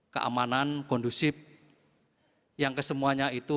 keamanan kondusif yang kesemuanya itu